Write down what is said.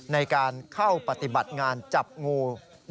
ในการเข้าปฏิบัติงานจับงู